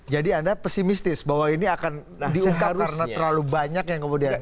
jadi anda pesimistis bahwa ini akan diungkap karena terlalu banyak yang kemudian